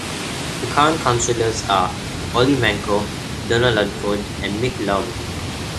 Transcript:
The current councillors are Ollie Manco, Donna Ludford and Mick Loughman.